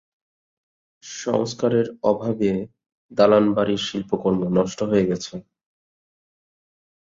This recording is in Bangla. সংস্কারের অভাবে দালান বাড়ির শিল্পকর্ম নষ্ট হয়ে গেছে।